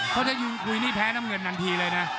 เขาจะคุยนี้แพ้หน้ามือก่อนเลยนะ